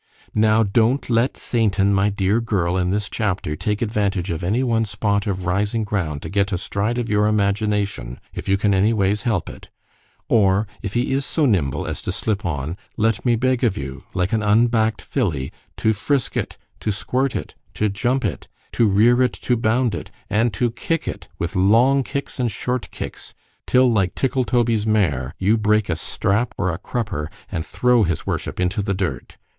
——Now don't let Satan, my dear girl, in this chapter, take advantage of any one spot of rising ground to get astride of your imagination, if you can any ways help it; or if he is so nimble as to slip on—let me beg of you, like an unback'd filly, to frisk it, to squirt it, to jump it, to rear it, to bound it—and to kick it, with long kicks and short kicks, till like Tickletoby's mare, you break a strap or a crupper, and throw his worship into the dirt.